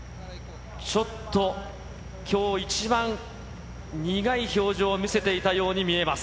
ちょっときょう一番、苦い表情を見せていたように見えます。